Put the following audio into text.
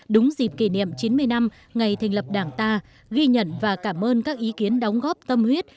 đúng dịp kỷ niệm chín mươi năm ngày thành lập đảng ta ghi nhận và cảm ơn các ý kiến đóng góp tâm huyết